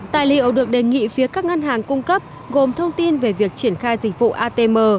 tài liệu được đề nghị phía các ngân hàng cung cấp gồm thông tin về việc triển khai dịch vụ atm